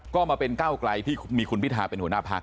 ก็มาเป็นก้าวไกลที่มีคุณพิทาเป็นหัวหน้าพัก